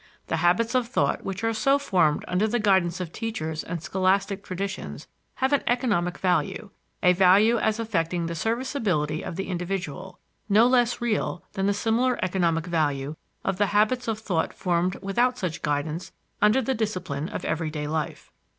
The habits of thought which are so formed under the guidance of teachers and scholastic traditions have an economic value a value as affecting the serviceability of the individual no less real than the similar economic value of the habits of thought formed without such guidance under the discipline of everyday life.